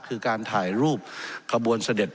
คือการถ่ายรูปขบวนเสด็จ